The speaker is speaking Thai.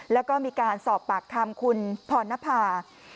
แล้วก็มีการสอบปากคำคุณพรณภา